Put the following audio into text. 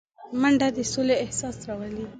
منډه د سولې احساس راولي